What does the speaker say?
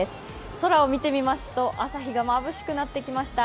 空を見てみますと、朝日がまぶしくなってきました。